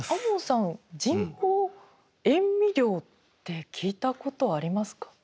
亞門さん人工塩味料って聞いたことありますか？